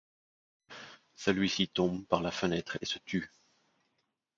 Celui-ci tombe par la fenêtre et se tue.